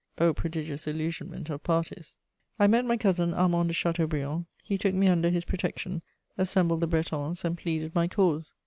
O prodigious illusionment of parties! I met my cousin Armand de Chateaubriand: he took me under his protection, assembled the Bretons and pleaded my cause.